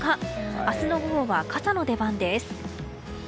明日の午後は傘の出番です。